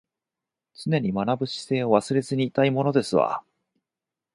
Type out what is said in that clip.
常に学ぶ姿勢は忘れずにいたいものですわ